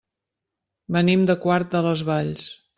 Venim de Quart de les Valls.